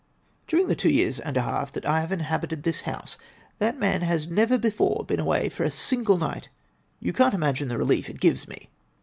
"During the two years and a half that I have inhabited this house, that man has never before been away for a single night. You can't imagine the relief it gives me."